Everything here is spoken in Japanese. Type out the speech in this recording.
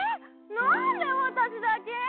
なんでわたしだけ？